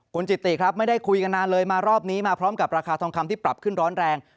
คุณจิติครับไม่ได้คุยกันนานเลยมารอบนี้มาพร้อมกับราคาทองคำที่ปรับขึ้นร้อนแรง